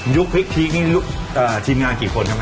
ยุคพลิกทีมงานกี่คนครับแม่